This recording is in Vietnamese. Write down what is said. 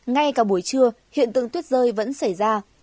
ngay cả buổi trưa hiện tượng tuyết rơi vẫn xảy ra